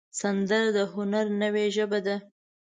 سندره د هنر نوې ژبه ده